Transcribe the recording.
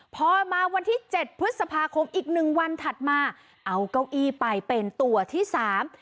พอมาวันที่เจ็ดพฤษภาคมอีกหนึ่งวันถัดมาเอาเก้าอี้ไปเป็นตัวที่สาม